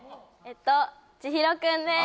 千聖君です